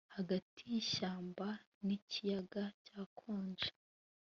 Hagati yishyamba nikiyaga cyakonje